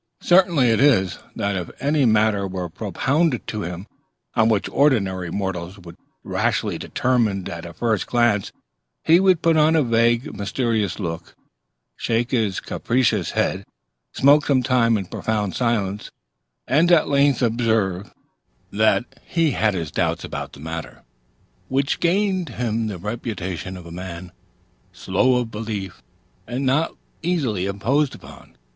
Certain it is, that if any matter were propounded to him on which ordinary mortals would rashly determine at first glance, he would put on a vague, mysterious look, shake his capacious head, smoke some time in profound silence, and at length observe, that "he had his doubts about the matter"; which gained him the reputation of a man slow of belief and not easily imposed upon.